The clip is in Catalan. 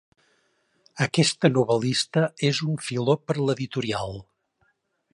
Aquesta novel·lista és un filó per a l'editorial.